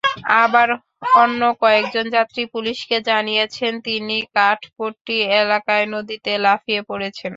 আবার অন্য কয়েকজন যাত্রী পুলিশকে জানিয়েছেন, তিনি কাঠপট্টি এলাকায় নদীতে লাফিয়ে পড়েছেন।